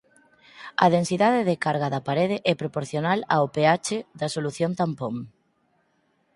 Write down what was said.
A densidade de carga da parede é proporcional ao pH da solución tampón.